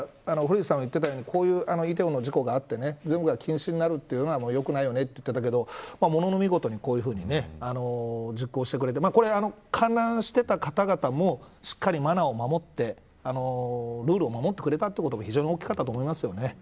古市さんが言ってたようにこういう梨泰院の事故があって全部が禁止になるのはよくないよねと言っていたけどものの見事に実行してくれて観覧していた方々もしっかりマナーを守ってルールを守ってくれたことも非常に大きかったと思います。